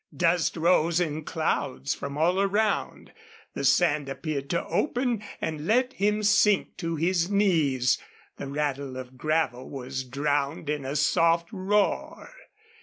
Dust rose in clouds from all around. The sand appeared to open and let him sink to his knees. The rattle of gravel was drowned in a soft roar.